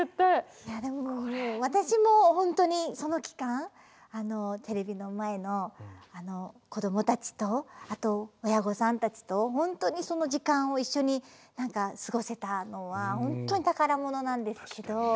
いやでも私も本当にその期間テレビの前のこどもたちとあと親御さんたちと本当にその時間を一緒に何か過ごせたのは本当に宝物なんですけど。